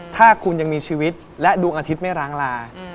ถ้าคุณยังมีชีวิตและดวงอาทิตย์ไม่ร้างลา